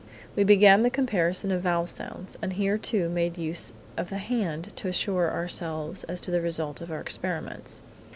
"We began with the comparison of the vowel sounds, and here, too, made use of the hand to assure ourselves as to the result of our experiments.